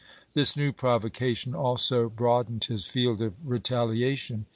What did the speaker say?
This new provocation also broadened his field of retaliation.